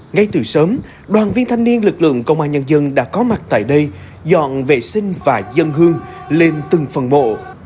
ngay từ sớm đoàn viên thanh niên lực lượng công an nhân dân đã có mặt tại đây dọn vệ sinh và dân hương lên từng phần bộ